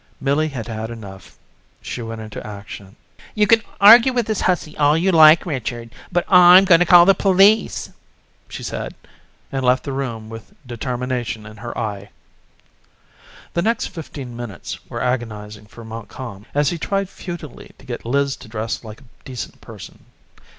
Millie had had enough. She went into action. "You can argue with this hussy all you like, Richard, but I'm going to call the police," she said, and left the room with determination in her eye. The next fifteen minutes were agonizing for Montcalm as he tried futilely to get Liz to dress like a decent person.